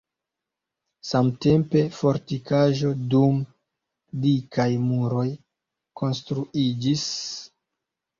Samtempe fortikaĵo kun dikaj muroj konstruiĝis.